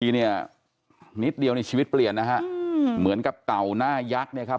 เนี่ยนิดเดียวในชีวิตเปลี่ยนนะฮะเหมือนกับเต่าหน้ายักษ์เนี่ยครับ